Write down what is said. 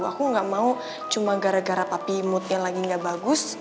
aku gak mau cuma gara gara papi moodnya lagi gak bagus